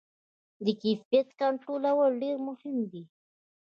د کیفیت کنټرول ډېر مهم دی.